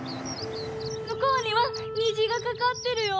むこうにはにじがかかってるよ！